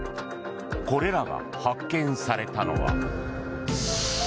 これらが発見されたのは。